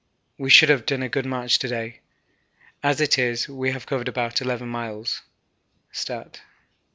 We should have done a good march to day, as it is we have covered about 11 miles (stat.).